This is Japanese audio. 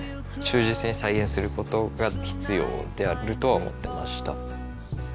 忠実に再現することが必要であるとは思ってました。